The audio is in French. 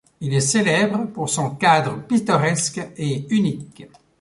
Il est célèbre pour son cadre pittoresque et unique.